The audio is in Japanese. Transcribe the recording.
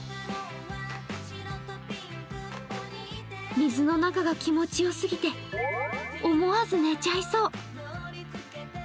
水の中が気持ちよすぎて、思わず寝ちゃいそう。